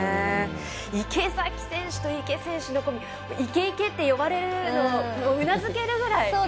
池崎選手と池選手イケイケといわれるのうなずけるくらい。